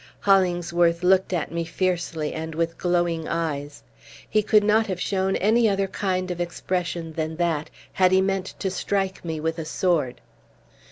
Hollingsworth looked at me fiercely, and with glowing eyes. He could not have shown any other kind of expression than that, had he meant to strike me with a sword.